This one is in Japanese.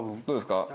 どうですか？